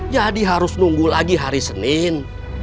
jadi harus nunggu lagi hari senin